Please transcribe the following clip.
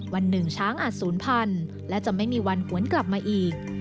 วันหนึ่งช้างอาจศูนย์พันธุ์และจะไม่มีวันหวนกลับมาอีก